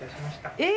えっ？